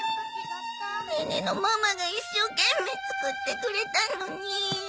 ネネのママが一生懸命作ってくれたのに。